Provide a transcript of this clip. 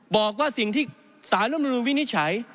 บอกว่าสิ่งที่สารรัฐมนุนวินิจฉัย